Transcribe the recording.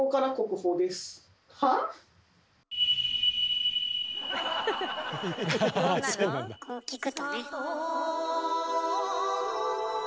こう聞くとね。